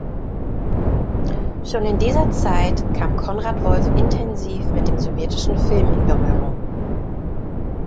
Schon in dieser Zeit kam Konrad Wolf intensiv mit dem sowjetischen Film in Berührung.